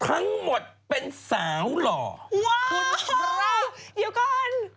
ทั้งหมดเป็นสาวหล่อว้าวเดี๋ยวก่อน